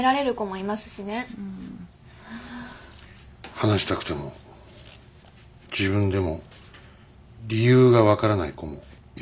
話したくても自分でも理由が分からない子もいると思います。